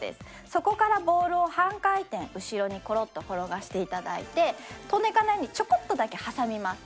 そこからボールを半回転後ろにコロッと転がして頂いて飛んでいかないようにちょこっとだけ挟みます。